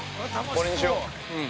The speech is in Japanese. ◆これにしよ。